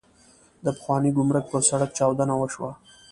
د پخواني ګمرک پر سړک چاودنه وشوه.